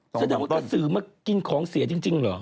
แสดงว่ากระสือมากินของเสียจริงเหรอ